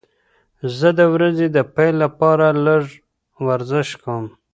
زه د ورځې د پیل لپاره لږه ورزش کوم.